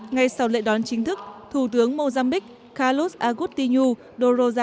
ngay sau lễ đón chính thức thủ tướng mozambique carlos agustinu duro rariu đã đến việt nam